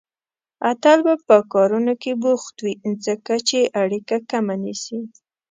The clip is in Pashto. اتل به په کارونو کې بوخت وي، ځکه چې اړيکه کمه نيسي